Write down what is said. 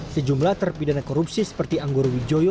sejumlah terpi dana korupsi seperti anggoro widjoyo